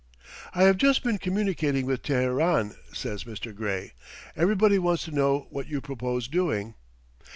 "I have just been communicating with Teheran," says Mr. Gray. "Everybody wants to know what you propose doing."